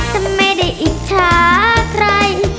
ฉันไม่ได้อิจฉาใคร